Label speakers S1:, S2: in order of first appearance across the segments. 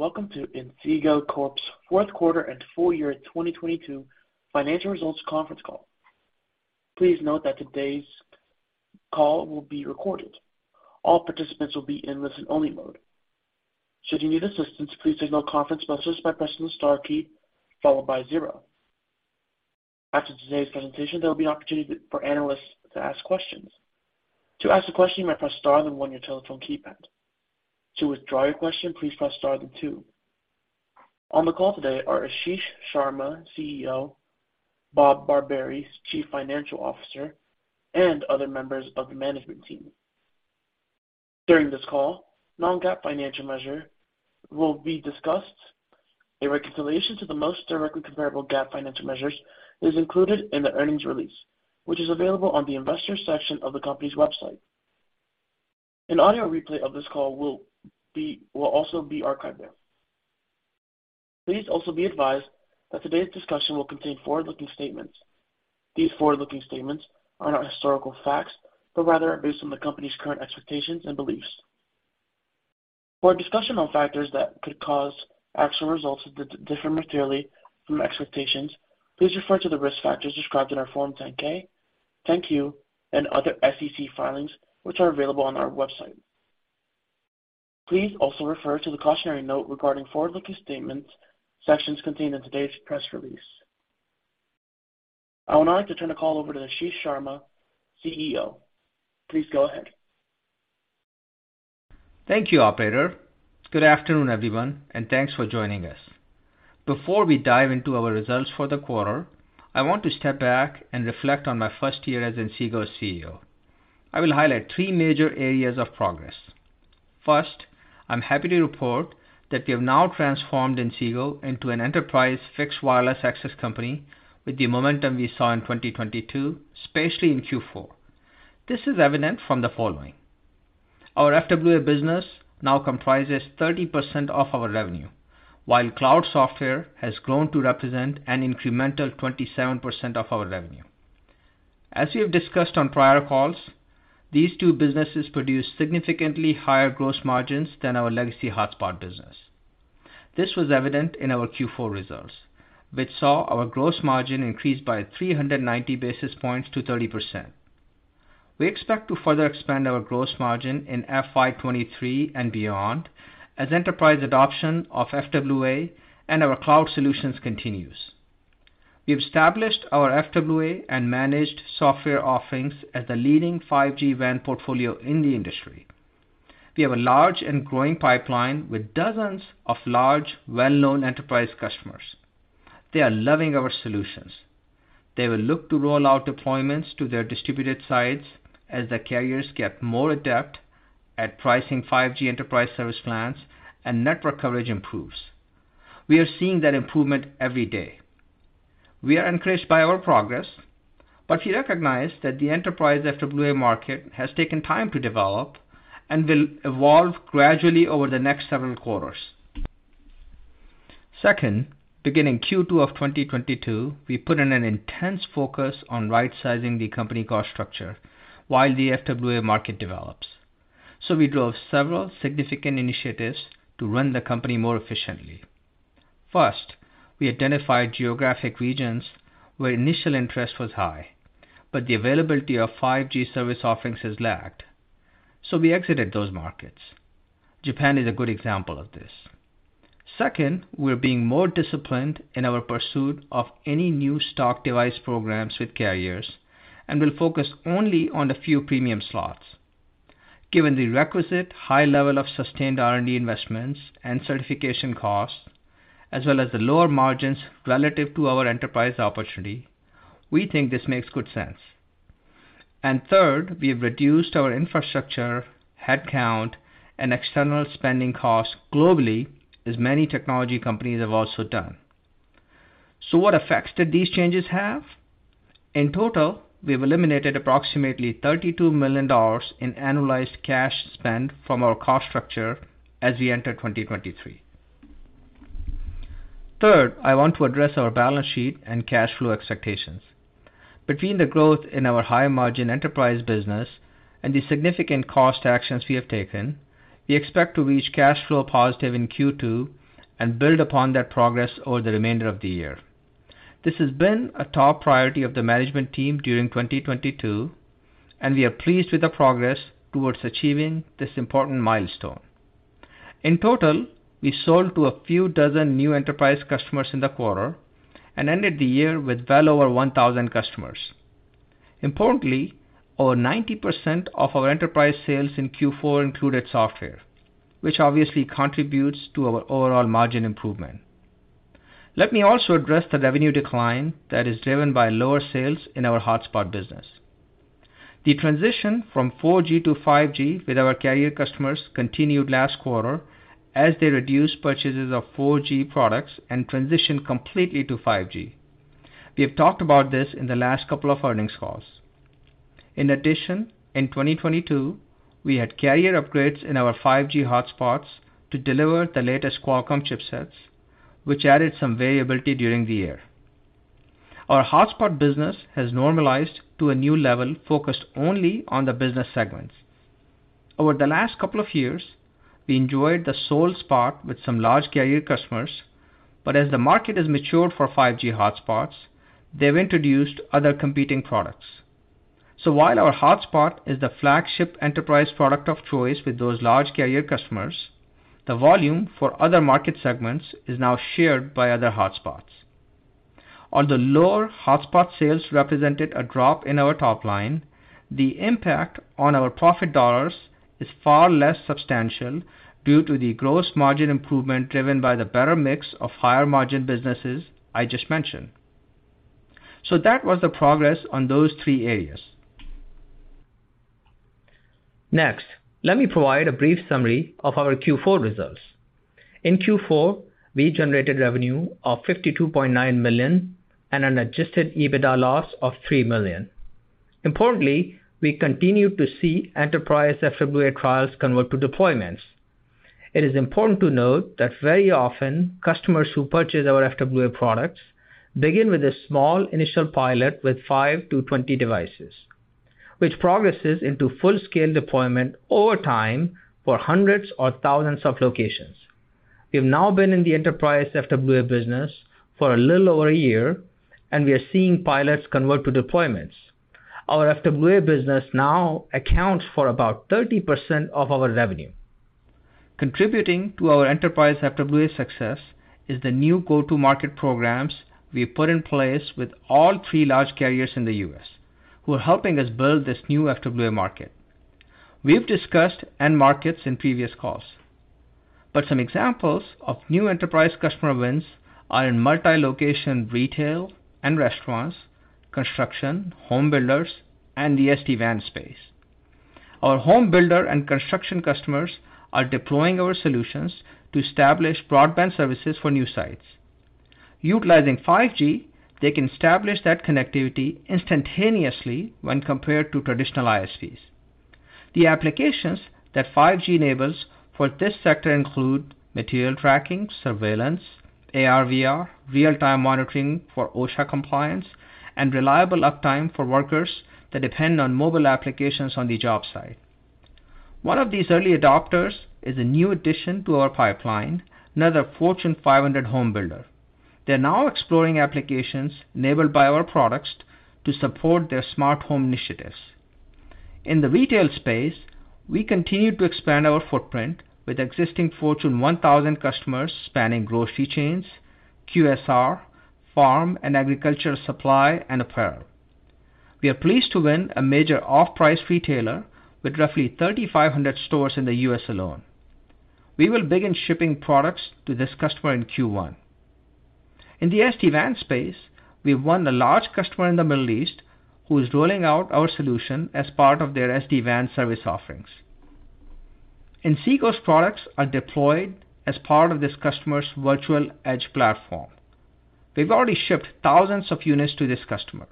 S1: Welcome to Inseego Corp.'s Fourth Quarter and Full Year 2022 Financial Results Conference Call. Please note that today's call will be recorded. All participants will be in listen-only mode. Should you need assistance, please signal conference host by pressing star key followed by zero. After today's presentation, there'll be an opportunity for analysts to ask questions. To ask a question, you may press star then one on your telephone keypad. To withdraw your question, please press star then two. On the call today are Ashish Sharma, CEO, Bob Barbieri, Chief Financial Officer, and other members of the management team. During this call, non-GAAP financial measure will be discussed. A reconciliation to the most directly comparable GAAP financial measures is included in the earnings release, which is available on the investor section of the company's website. An audio replay of this call will also be archived there. Please also be advised that today's discussion will contain forward-looking statements. These forward-looking statements are not historical facts, but rather are based on the company's current expectations and beliefs. For a discussion on factors that could cause actual results to differ materially from expectations, please refer to the risk factors described in our Form 10-K, thank you, and other SEC filings, which are available on our website. Please also refer to the cautionary note regarding forward-looking statements sections contained in today's press release. I would now like to turn the call over to Ashish Sharma, CEO. Please go ahead.
S2: Thank you, operator. Good afternoon, everyone, and thanks for joining us. Before we dive into our results for the quarter, I want to step back and reflect on my first year as Inseego CEO. I will highlight three major areas of progress. First, I'm happy to report that we have now transformed Inseego into an enterprise fixed wireless access company with the momentum we saw in 2022, especially in Q4. This is evident from the following. Our FWA business now comprises 30% of our revenue, while cloud software has grown to represent an incremental 27% of our revenue. As we have discussed on prior calls, these two businesses produce significantly higher gross margins than our legacy hotspot business. This was evident in our Q4 results, which saw our gross margin increase by 390 basis points to 30%. We expect to further expand our gross margin in FY23 and beyond as enterprise adoption of FWA and our cloud solutions continues. We've established our FWA and managed software offerings as the leading 5G WAN portfolio in the industry. We have a large and growing pipeline with dozens of large, well-known enterprise customers. They are loving our solutions. They will look to roll out deployments to their distributed sites as the carriers get more adept at pricing 5G enterprise service plans and network coverage improves. We are seeing that improvement every day. We are encouraged by our progress, but we recognize that the enterprise FWA market has taken time to develop and will evolve gradually over the next several quarters. Second, beginning Q2 of 2022, we put in an intense focus on right-sizing the company cost structure while the FWA market develops. We drove several significant initiatives to run the company more efficiently. First, we identified geographic regions where initial interest was high, but the availability of 5G service offerings has lagged. We exited those markets. Japan is a good example of this. Second, we're being more disciplined in our pursuit of any new stock device programs with carriers and will focus only on the few premium slots. Given the requisite high level of sustained R&D investments and certification costs, as well as the lower margins relative to our enterprise opportunity, we think this makes good sense. Third, we have reduced our infrastructure, headcount, and external spending costs globally, as many technology companies have also done. What effects did these changes have? In total, we've eliminated approximately $32 million in annualized cash spend from our cost structure as we enter 2023. Third, I want to address our balance sheet and cash flow expectations. Between the growth in our higher margin enterprise business and the significant cost actions we have taken, we expect to reach cash flow positive in Q2 and build upon that progress over the remainder of the year. This has been a top priority of the management team during 2022, and we are pleased with the progress towards achieving this important milestone. In total, we sold to a few dozen new enterprise customers in the quarter and ended the year with well over 1,000 customers. Importantly, over 90% of our enterprise sales in Q4 included software, which obviously contributes to our overall margin improvement. Let me also address the revenue decline that is driven by lower sales in our hotspot business. The transition from 4G-5G with our carrier customers continued last quarter as they reduced purchases of 4G products and transitioned completely to 5G. We have talked about this in the last couple of earnings calls. In addition, in 2022, we had carrier upgrades in our 5G hotspots to deliver the latest Qualcomm chipsets, which added some variability during the year. Our hotspot business has normalized to a new level focused only on the business segments. Over the last couple of years, we enjoyed the sole spot with some large carrier customers, but as the market has matured for 5G hotspots, they've introduced other competing products. While our hotspot is the flagship enterprise product of choice with those large carrier customers, the volume for other market segments is now shared by other hotspots. On the lower hotspot sales represented a drop in our top line, the impact on our profit dollars is far less substantial due to the gross margin improvement driven by the better mix of higher margin businesses I just mentioned. That was the progress on those three areas. Next, let me provide a brief summary of our Q4 results. In Q4, we generated revenue of $52.9 million and an adjusted EBITDA loss of $3 million. Importantly, we continued to see enterprise FWA trials convert to deployments. It is important to note that very often customers who purchase our FWA products begin with a small initial pilot with 5-20 devices, which progresses into full-scale deployment over time for hundreds or thousands of locations. We've now been in the enterprise FWA business for a little over a year, and we are seeing pilots convert to deployments. Our FWA business now accounts for about 30% of our revenue. Contributing to our enterprise FWA success is the new go-to-market programs we put in place with all three large carriers in the U.S. who are helping us build this new FWA market. We've discussed end markets in previous calls, some examples of new enterprise customer wins are in multi-location retail and restaurants, construction, home builders, and the SD-WAN space. Our home builder and construction customers are deploying our solutions to establish broadband services for new sites. Utilizing 5G, they can establish that connectivity instantaneously when compared to traditional ISVs. The applications that 5G enables for this sector include material tracking, surveillance, AR/VR, real-time monitoring for OSHA compliance, and reliable uptime for workers that depend on mobile applications on the job site. One of these early adopters is a new addition to our pipeline, another Fortune 500 home builder. They're now exploring applications enabled by our products to support their smart home initiatives. In the retail space, we continue to expand our footprint with existing Fortune 1,000 customers spanning grocery chains, QSR, farm and agricultural supply, and apparel. We are pleased to win a major off-price retailer with roughly 3,500 stores in the U.S. alone. We will begin shipping products to this customer in Q1. In the SD-WAN space, we won a large customer in the Middle East who is rolling out our solution as part of their SD-WAN service offerings. Inseego's products are deployed as part of this customer's virtual edge platform. We've already shipped thousands of units to this customer.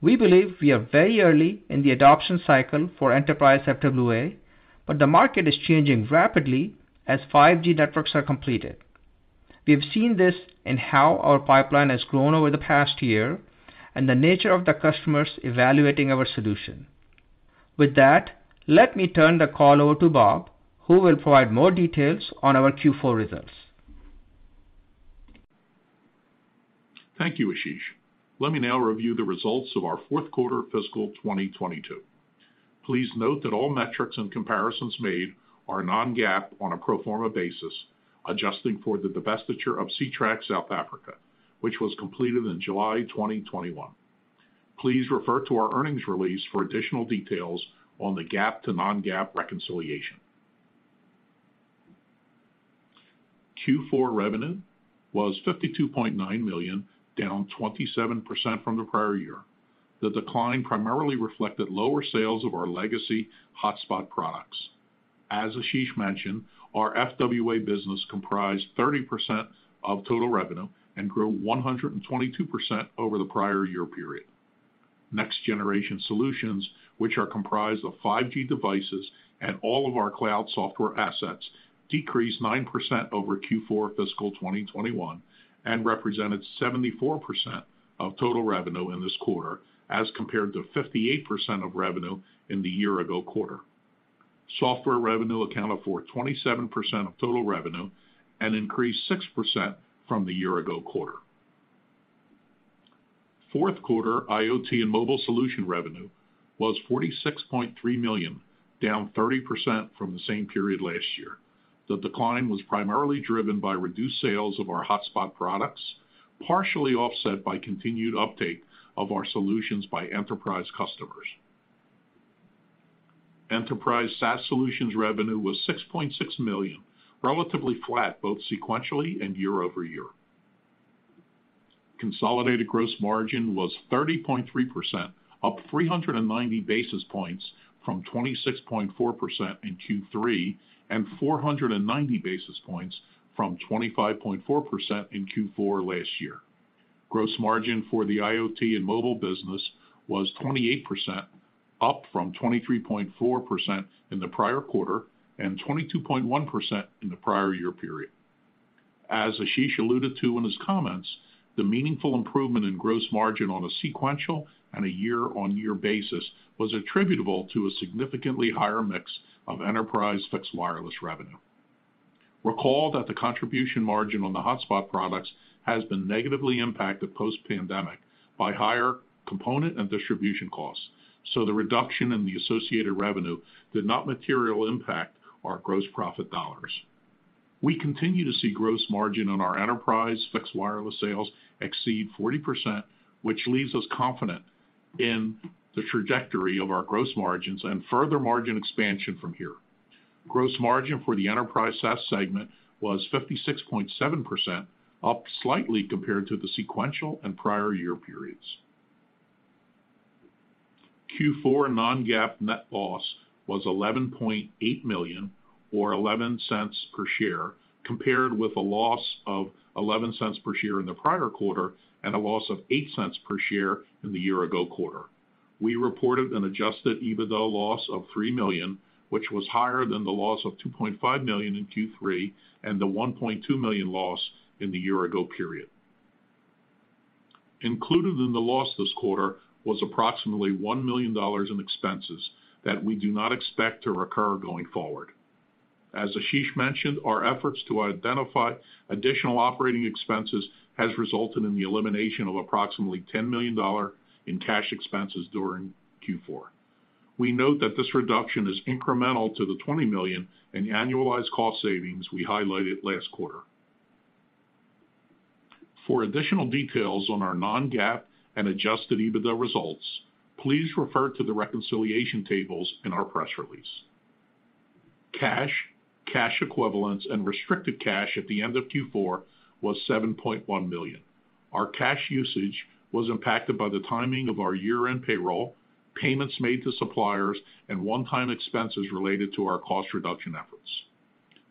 S2: We believe we are very early in the adoption cycle for enterprise FWA, but the market is changing rapidly as 5G networks are completed. We have seen this in how our pipeline has grown over the past year and the nature of the customers evaluating our solution. With that, let me turn the call over to Bob, who will provide more details on our Q4 results.
S3: Thank you, Ashish. Let me now review the results of our fourth quarter fiscal 2022. Please note that all metrics and comparisons made are non-GAAP on a pro forma basis, adjusting for the divestiture of Ctrack South Africa, which was completed in July 2021. Please refer to our earnings release for additional details on the GAAP to non-GAAP reconciliation. Q4 revenue was $52.9 million, down 27% from the prior year. As Ashish mentioned, our FWA business comprised 30% of total revenue and grew 122% over the prior year period. Next-generation solutions, which are comprised of 5G devices and all of our cloud software assets, decreased 9% over Q4 fiscal 2021 and represented 74% of total revenue in this quarter as compared to 58% of revenue in the year-ago quarter. Software revenue accounted for 27% of total revenue and increased 6% from the year-ago quarter. Fourth quarter IoT and mobile solution revenue was $46.3 million, down 30% from the same period last year. The decline was primarily driven by reduced sales of our hotspot products, partially offset by continued uptake of our solutions by enterprise customers. Enterprise SaaS solutions revenue was $6.6 million, relatively flat both sequentially and year-over-year. Consolidated gross margin was 30.3%, up 390 basis points from 26.4% in Q3 and 490 basis points from 25.4% in Q4 last year. Gross margin for the IoT and mobile business was 28%. Up from 23.4% in the prior quarter and 22.1% in the prior year period. As Ashish alluded to in his comments, the meaningful improvement in gross margin on a sequential and a year-on-year basis was attributable to a significantly higher mix of enterprise fixed wireless revenue. Recall that the contribution margin on the hotspot products has been negatively impacted post-pandemic by higher component and distribution costs, the reduction in the associated revenue did not materially impact our gross profit dollars. We continue to see gross margin on our enterprise fixed wireless sales exceed 40%, which leaves us confident in the trajectory of our gross margins and further margin expansion from here. Gross margin for the enterprise SaaS segment was 56.7%, up slightly compared to the sequential and prior year periods. Q4 non-GAAP net loss was $11.8 million or $0.11 per share, compared with a loss of $0.11 per share in the prior quarter and a loss of $0.08 per share in the year ago quarter. We reported an adjusted EBITDA loss of $3 million, which was higher than the loss of $2.5 million in Q3 and the $1.2 million loss in the year ago period. Included in the loss this quarter was approximately $1 million in expenses that we do not expect to recur going forward. As Ashish mentioned, our efforts to identify additional operating expenses has resulted in the elimination of approximately $10 million in cash expenses during Q4. We note that this reduction is incremental to the $20 million in annualized cost savings we highlighted last quarter. For additional details on our non-GAAP and adjusted EBITDA results, please refer to the reconciliation tables in our press release. Cash, cash equivalents and restricted cash at the end of Q4 was $7.1 million. Our cash usage was impacted by the timing of our year-end payroll, payments made to suppliers and one-time expenses related to our cost reduction efforts.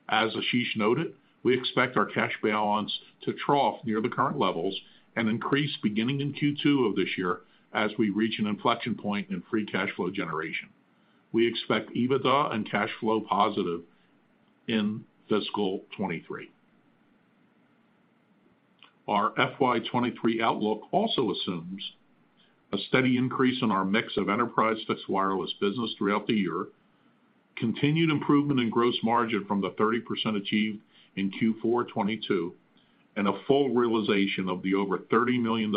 S3: As Ashish noted, we expect our cash balance to trough near the current levels and increase beginning in Q2 of this year as we reach an inflection point in free cash flow generation. We expect EBITDA and cash flow positive in fiscal 2023. Our FY 2023 outlook also assumes a steady increase in our mix of enterprise fixed wireless business throughout the year, continued improvement in gross margin from the 30% achieved in Q4 2022, and a full realization of the over $30 million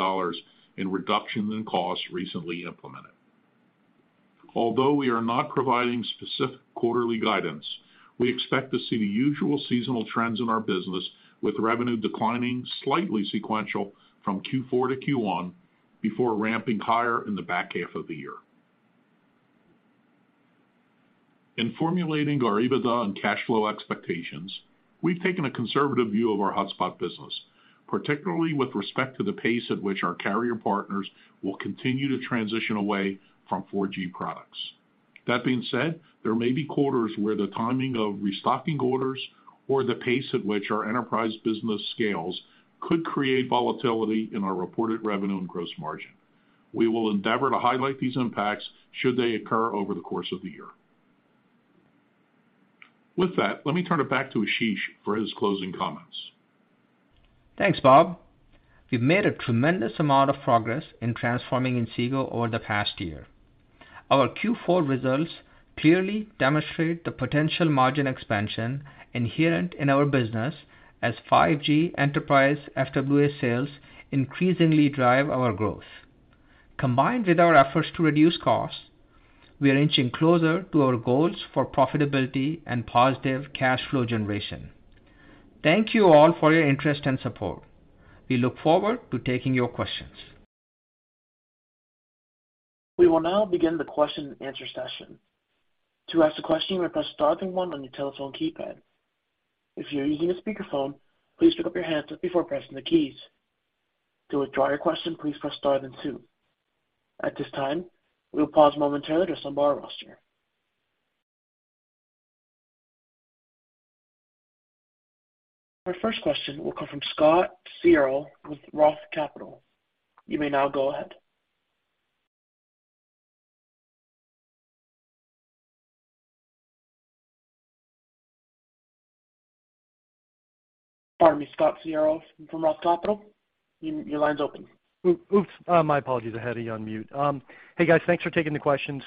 S3: in reductions in costs recently implemented. Although we are not providing specific quarterly guidance, we expect to see the usual seasonal trends in our business, with revenue declining slightly sequential from Q4-Q1 before ramping higher in the back half of the year. In formulating our EBITDA and cash flow expectations, we've taken a conservative view of our hotspot business, particularly with respect to the pace at which our carrier partners will continue to transition away from 4G products. That being said, there may be quarters where the timing of restocking orders or the pace at which our enterprise business scales could create volatility in our reported revenue and gross margin. We will endeavor to highlight these impacts should they occur over the course of the year. With that, let me turn it back to Ashish for his closing comments.
S2: Thanks, Bob. We've made a tremendous amount of progress in transforming Inseego over the past year. Our Q4 results clearly demonstrate the potential margin expansion inherent in our business as 5G enterprise FWA sales increasingly drive our growth. Combined with our efforts to reduce costs, we are inching closer to our goals for profitability and positive cash flow generation. Thank you all for your interest and support. We look forward to taking your questions.
S1: We will now begin the question and answer session. To ask a question, you may press star then one on your telephone keypad. If you're using a speakerphone, please pick up your handset before pressing the keys. To withdraw your question, please press star then two. At this time, we will pause momentarily to assemble our roster. Our first question will come from Scott Searle with Roth Capital Partners. You may now go ahead. Pardon me, Scott Searle from Roth Capital Partners, your line's open.
S4: Oops. My apologies. I had you on mute. Hey, guys. Thanks for taking the questions.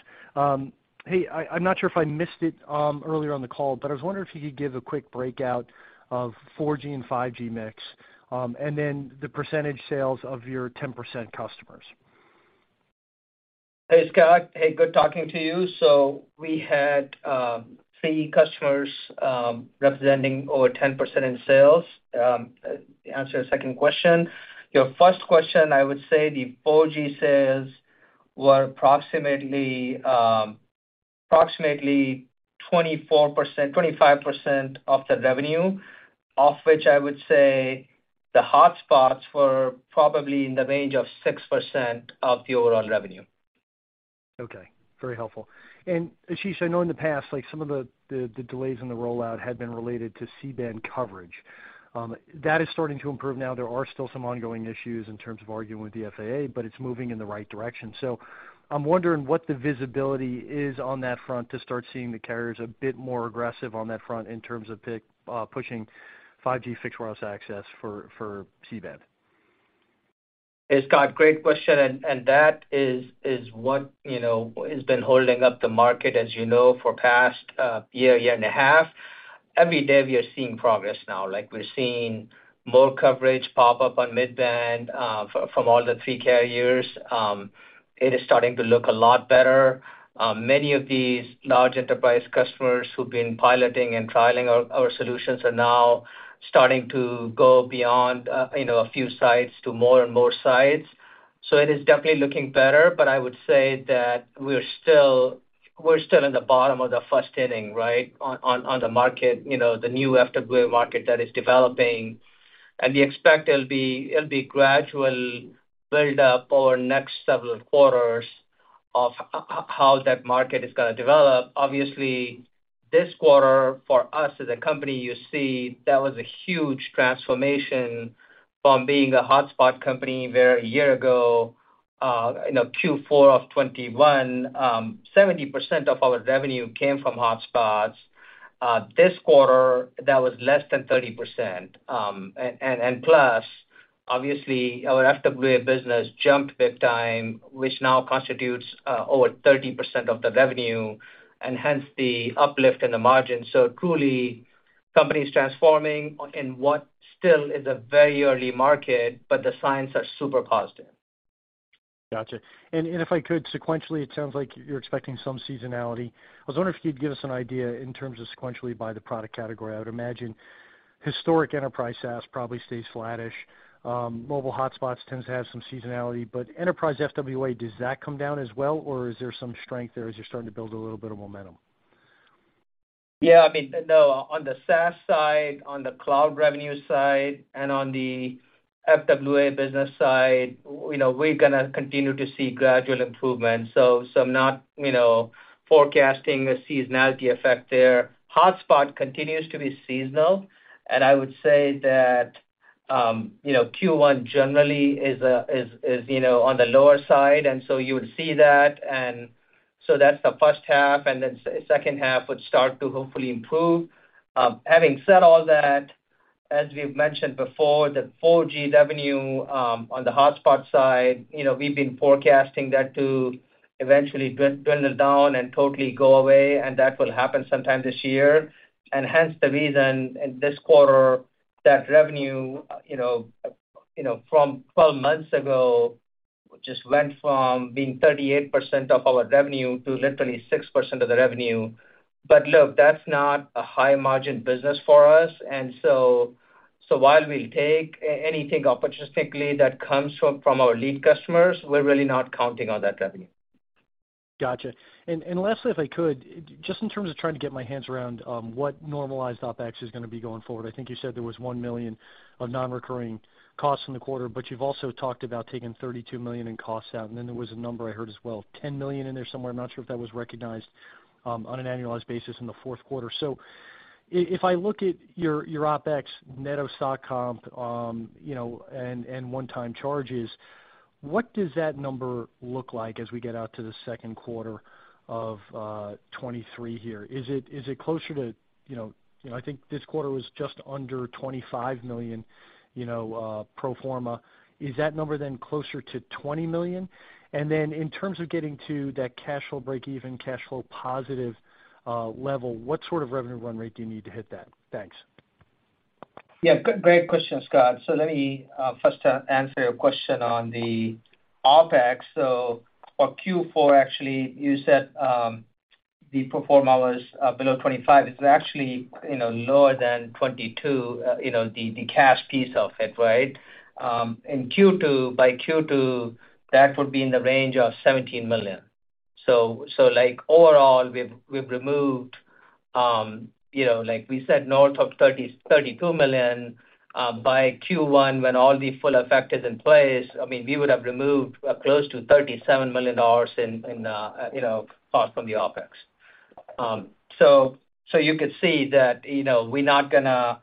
S4: Hey, I'm not sure if I missed it, earlier on the call, but I was wondering if you could give a quick breakout of 4G and 5G mix, and then the percentage sales of your 10% customers.
S2: Hey, Scott. Hey, good talking to you. We had three customers representing over 10% in sales. To answer your second question. Your first question, I would say the 4G sales were approximately 24%-25% of the revenue, of which I would say the hotspots were probably in the range of 6% of the overall revenue.
S4: Okay. Very helpful. Ashish, I know in the past, like some of the delays in the rollout had been related to C-band coverage. That is starting to improve now. There are still some ongoing issues in terms of arguing with the FAA, but it's moving in the right direction. I'm wondering what the visibility is on that front to start seeing the carriers a bit more aggressive on that front in terms of pushing 5G fixed wireless access for C-band.
S2: Hey, Scott, great question, and that is what, you know, has been holding up the market, as you know, for past year and a half. Every day, we are seeing progress now. Like, we're seeing more coverage pop up on mid-band from all the three carriers. It is starting to look a lot better. Many of these large enterprise customers who've been piloting and trialing our solutions are now starting to go beyond, you know, a few sites to more and more sites. It is definitely looking better, but I would say that we're still in the bottom of the first inning, right, on the market, you know, the new FWA market that is developing. We expect it'll be gradual build up over next several quarters of how that market is gonna develop. Obviously, this quarter, for us as a company, you see that was a huge transformation from being a hotspot company, where a year ago, you know, Q4 of 2021, 70% of our revenue came from hotspots. This quarter, that was less than 30%. And plus, obviously, our FWA business jumped big time, which now constitutes over 30% of the revenue, and hence the uplift in the margin. Truly, company's transforming in what still is a very early market, but the signs are super positive.
S4: Gotcha. If I could, sequentially, it sounds like you're expecting some seasonality. I was wondering if you'd give us an idea in terms of sequentially by the product category. I would imagine historic enterprise SaaS probably stays flattish. Mobile hotspots tends to have some seasonality. Enterprise FWA, does that come down as well, or is there some strength there as you're starting to build a little bit of momentum?
S2: Yeah, I mean, no, on the SaaS side, on the cloud revenue side, and on the FWA business side, you know, we're gonna continue to see gradual improvement. I'm not, you know, forecasting a seasonality effect there. Hotspot continues to be seasonal, and I would say that, you know, Q1 generally is, you know, on the lower side, and so you would see that. That's the first half, and then second half would start to hopefully improve. Having said all that, as we've mentioned before, the 4G revenue, on the hotspot side, you know, we've been forecasting that to eventually dwindle down and totally go away, and that will happen sometime this year. Hence the reason in this quarter, that revenue, you know, from 12 months ago, just went from being 38% of our revenue to literally 6% of the revenue. Look, that's not a high margin business for us. So while we'll take anything opportunistically that comes from our lead customers, we're really not counting on that revenue.
S4: Lastly, if I could, just in terms of trying to get my hands around what normalized OpEx is gonna be going forward. I think you said there was $1 million of non-recurring costs in the quarter, but you've also talked about taking $32 million in costs out, and then there was a number I heard as well, $10 million in there somewhere. I'm not sure if that was recognized on an annualized basis in the fourth quarter. If I look at your OpEx, net of stock comp, you know, and one-time charges, what does that number look like as we get out to the second quarter of 2023 here? Is it closer to, you know... You know, I think this quarter was just under $25 million, you know, pro forma. Is that number then closer to $20 million? In terms of getting to that cash flow break even, cash flow positive, level, what sort of revenue run rate do you need to hit that? Thanks.
S2: Yeah, great question, Scott. Let me first answer your question on the OpEx. For Q4, actually, you said the pro forma was below 25. It's actually, you know, lower than 22, you know, the cash piece of it, right? In Q2, by Q2, that would be in the range of $17 million. Like, overall, we've removed, you know, like we said, north of $30 million-$32 million. By Q1, when all the full effect is in place, I mean, we would have removed close to $37 million in, you know, cost from the OpEx. You could see that, you know, we're not gonna...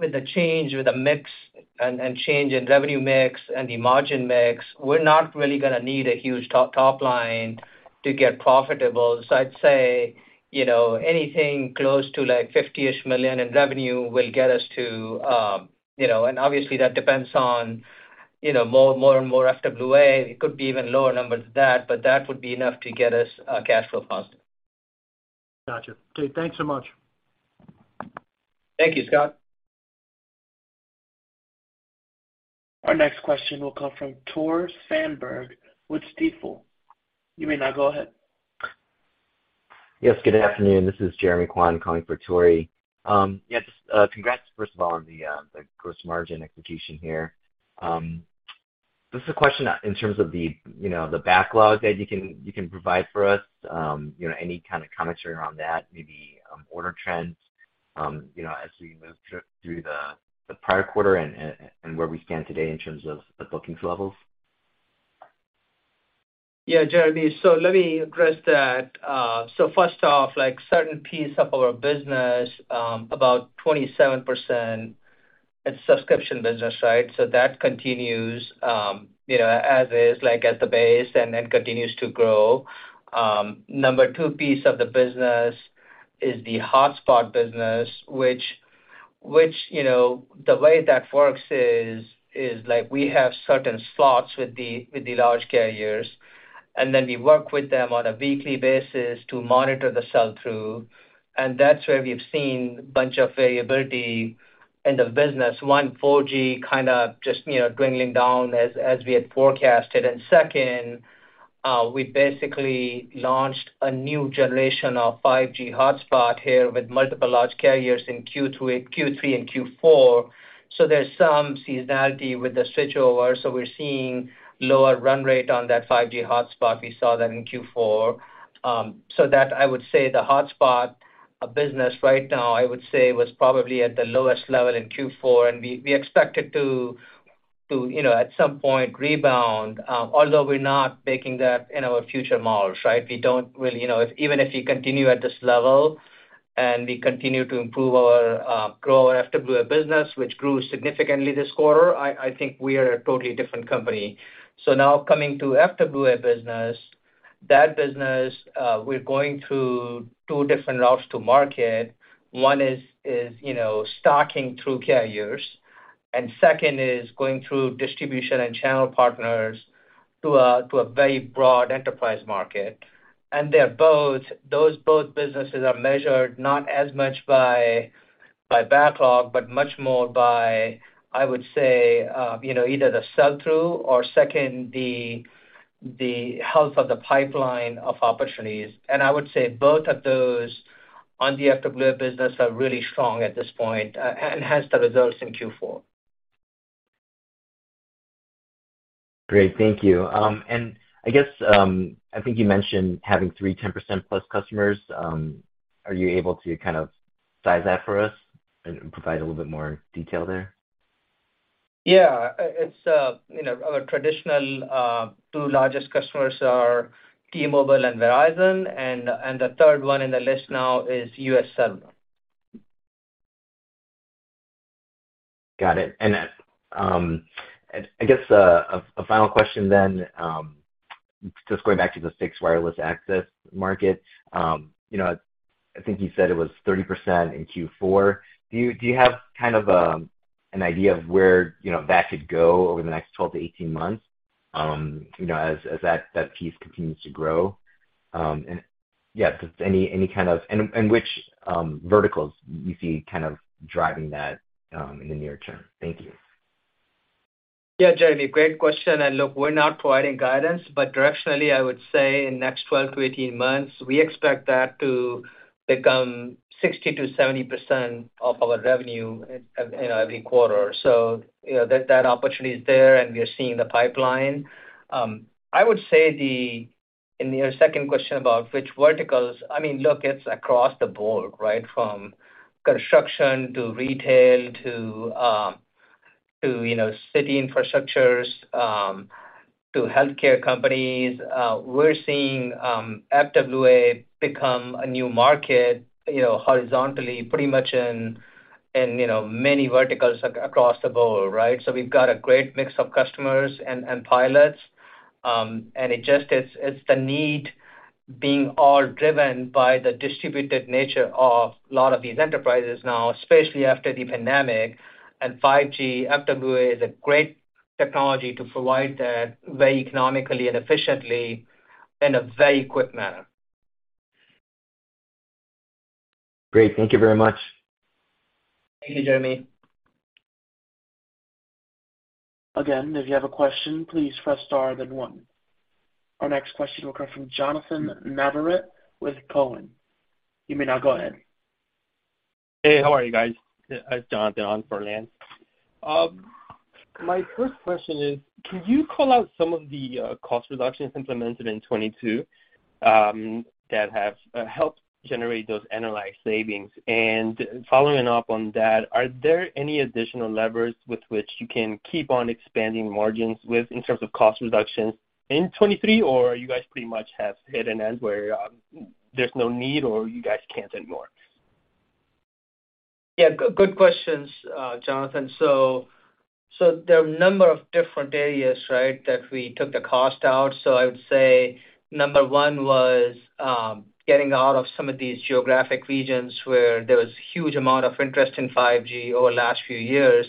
S2: With the change, with the mix and change in revenue mix and the margin mix, we're not really gonna need a huge top line to get profitable. I'd say, you know, anything close to, like, $50-ish million in revenue will get us to, you know. Obviously, that depends on, you know, more and more FWA. It could be even lower numbers than that, but that would be enough to get us cash flow positive.
S4: Gotcha. Okay, thanks so much.
S2: Thank you, Scott.
S1: Our next question will come from Tore Svanberg with Stifel. You may now go ahead.
S5: Good afternoon. This is Jeremy Kwan calling for Tory. Yeah, just, congrats, first of all, on the gross margin execution here. Just a question in terms of the, you know, the backlog that you can provide for us. You know, any kind of commentary around that, maybe, order trends. You know, as we move through the prior quarter and where we stand today in terms of the bookings levels.
S2: Yeah, Jeremy. Let me address that. First off, like certain piece of our business, about 27% it's subscription business, right? That continues, you know, as is like at the base, continues to grow. Number two piece of the business is the hotspot business, which, you know, the way that works is like we have certain slots with the large carriers, we work with them on a weekly basis to monitor the sell-through. That's where we've seen a bunch of variability in the business. One, 4G kind of just, you know, dwindling down as we had forecasted. Second, we basically launched a new generation of 5G hotspot here with multiple large carriers in Q3 and Q4, there's some seasonality with the switchover. We're seeing lower run rate on that 5G hotspot. We saw that in Q4. I would say the hotspot business right now was probably at the lowest level in Q4, and we expect it to, you know, at some point rebound, although we're not baking that in our future models, right? We don't really. You know, if even if we continue at this level and we continue to improve our, grow our FWA business, which grew significantly this quarter, I think we are a totally different company. Coming to FWA business, that business, we're going through two different routes to market. One is, you know, stocking through carriers, and second is going through distribution and channel partners to a very broad enterprise market. Those both businesses are measured not as much by backlog, but much more by, I would say, you know, either the sell-through or second, the health of the pipeline of opportunities. I would say both of those on the FWA business are really strong at this point, and hence the results in Q4.
S5: Great. Thank you. I guess, I think you mentioned having 3.10%+ customers. Are you able to kind of size that for us and provide a little bit more detail there?
S2: Yeah. It's, you know, our traditional, two largest customers are T-Mobile and Verizon, and the third one in the list now is UScellular.
S5: Got it. I guess a final question then, just going back to the fixed wireless access market. You know, I think you said it was 30% in Q4. Do you have kind of an idea of where, you know, that could go over the next 12-18 months, you know, as that piece continues to grow? Yeah, which verticals you see kind of driving that in the near term? Thank you.
S2: Yeah, Jeremy, great question. Look, we're not providing guidance, but directionally, I would say in the next 12-18 months, we expect that to become 60%-70% of our revenue in, you know, every quarter. You know, that opportunity is there, and we are seeing the pipeline. I would say in your second question about which verticals, I mean, look, it's across the board, right? From construction to retail to, you know, city infrastructures, to healthcare companies. We're seeing FWA become a new market, you know, horizontally pretty much in, you know, many verticals across the board, right? We've got a great mix of customers and pilots. It just, it's the need being all driven by the distributed nature of a lot of these enterprises now, especially after the pandemic and 5G. FWA is a great technology to provide that very economically and efficiently in a very quick manner.
S5: Great. Thank you very much.
S2: Thank you, Jeremy.
S1: Again, if you have a question, please press star then one. Our next question will come from Jonathan Navarette with Cowen. You may now go ahead.
S6: Hey, how are you guys? It's Jonathan on for Lance. My first question is, can you call out some of the cost reductions implemented in 2022 that have helped generate those analyzed savings? Following up on that, are there any additional levers with which you can keep on expanding margins with in terms of cost reductions in 2023, or you guys pretty much have hit an end where there's no need or you guys can't anymore?
S2: Good questions, Jonathan. There are a number of different areas, right, that we took the cost out. I would say number one was getting out of some of these geographic regions where there was huge amount of interest in 5G over the last few years,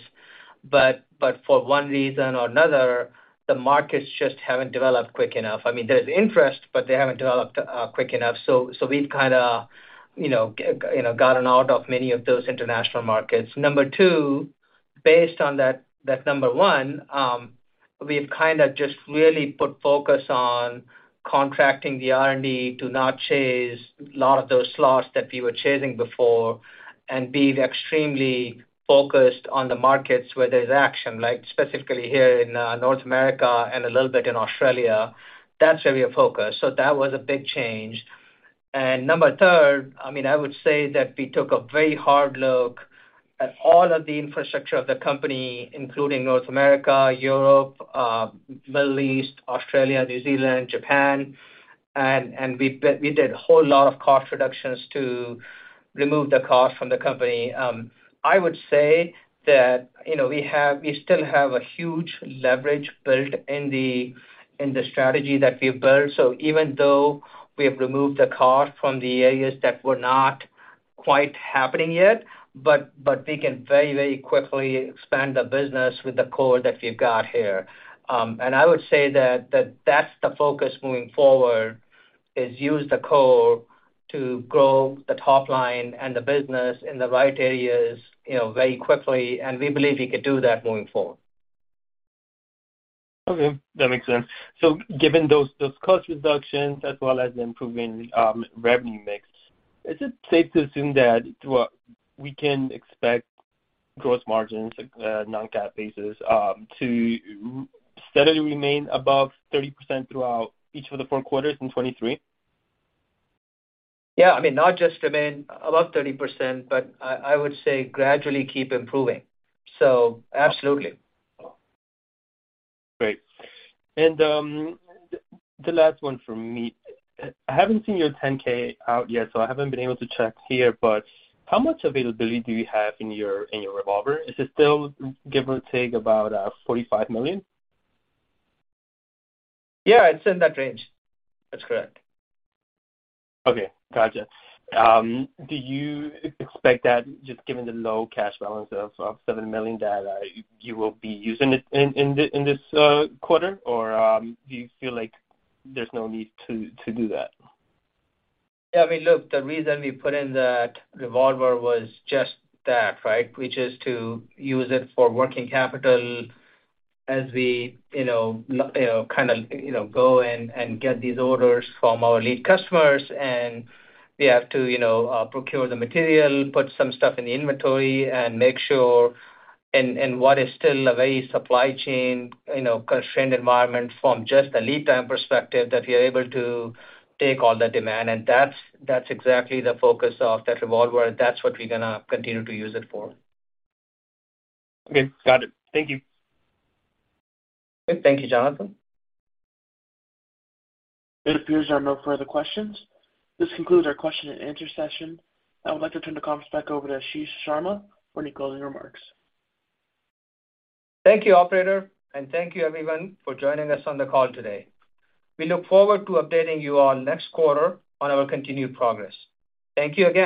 S2: but for one reason or another, the markets just haven't developed quick enough. I mean, there's interest, but they haven't developed quick enough. We've kinda, you know, gotten out of many of those international markets. Number two, based on that number one, we've kinda just really put focus on contracting the R&D to not chase a lot of those slots that we were chasing before and being extremely focused on the markets where there's action, like specifically here in North America and a little bit in Australia. That's where we are focused. That was a big change. Number 3rd, I mean, I would say that we took a very hard look at all of the infrastructure of the company, including North America, Europe, Middle East, Australia, New Zealand, Japan. We did a whole lot of cost reductions to remove the cost from the company. I would say that, you know, we still have a huge leverage built in the strategy that we built. Even though we have removed the cost from the areas that were not quite happening yet, but we can very, very quickly expand the business with the core that we've got here. I would say that that's the focus moving forward, is use the core to grow the top line and the business in the right areas, you know, very quickly, and we believe we could do that moving forward.
S6: That makes sense. Given those cost reductions as well as improving revenue mix, is it safe to assume that what we can expect gross margins, non-GAAP basis, to steadily remain above 30% throughout each of the four quarters in 2023?
S2: Yeah, I mean, not just remain above 30%, but I would say gradually keep improving. Absolutely.
S6: Great. The last one from me. I haven't seen your 10-K out yet, so I haven't been able to check here, but how much availability do you have in your, in your revolver? Is it still give or take about $45 million?
S2: Yeah, it's in that range. That's correct.
S6: Okay. Gotcha. Do you expect that just given the low cash balance of $7 million that you will be using it in this quarter? Do you feel like there's no need to do that?
S2: Yeah, I mean, look, the reason we put in that revolver was just that, right. Which is to use it for working capital as we, you know, kinda, you know, go and get these orders from our lead customers. We have to, you know, procure the material, put some stuff in the inventory and make sure and what is still a very supply chain, you know, constrained environment from just a lead time perspective, that we are able to take all the demand. That's exactly the focus of that revolver. That's what we're gonna continue to use it for.
S6: Okay. Got it. Thank you.
S2: Okay. Thank you, Jonathan.
S1: It appears there are no further questions. This concludes our question and answer session. I would like to turn the conference back over to Ashish Sharma for any closing remarks.
S2: Thank you, operator, and thank you everyone for joining us on the call today. We look forward to updating you on next quarter on our continued progress. Thank you again.